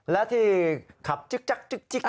แล้วที่ขับจึก